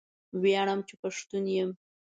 ویاړم چې پښتون یم